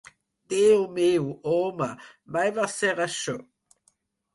Déu meu, home, mai vas ser això.